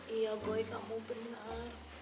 iya boy kamu benar